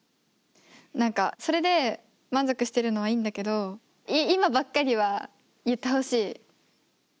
何かそれで満足してるのはいいんだけど今ばっかりは言ってほしい。